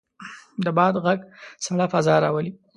د باد غږ سړه فضا راولي.